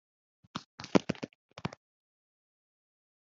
kubika ku birebana na buri bukwe.